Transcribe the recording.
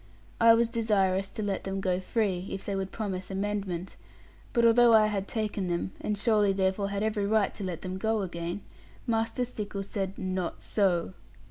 I was desirous to let them go free, if they would promise amendment; but although I had taken them, and surely therefore had every right to let them go again, Master Stickles said, 'Not so.'